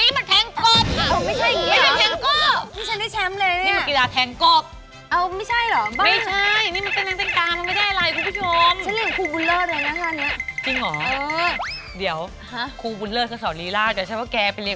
ว่าที่งานฉันอยากรู้เหลือเกิน